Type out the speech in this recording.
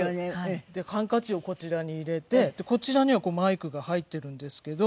でハンカチをこちらに入れてこちらにはマイクが入っているんですけど。